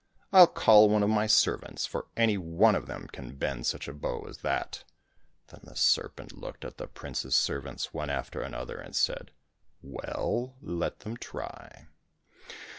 I'll call one of my servants, for any one of them can bend such a bow as that !" Then the serpent looked at the prince's servants one after the other, and said, " Well, let them try